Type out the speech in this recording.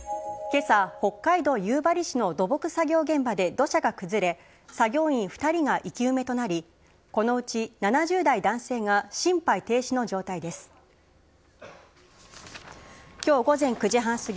けさ、北海道夕張市の土木作業現場で土砂が崩れ、作業員２人が生き埋めとなり、このうち７０代男性が心肺停止の状態です。